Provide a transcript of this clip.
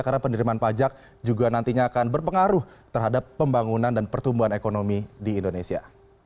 karena penderimaan pajak juga nantinya akan berpengaruh terhadap pembangunan dan pertumbuhan ekonomi di indonesia